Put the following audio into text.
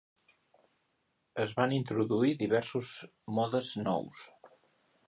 Es van introduir diversos modes nous.